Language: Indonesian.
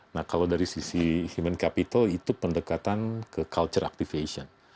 nah kalau dari sisi human capital itu pendekatan ke culture activation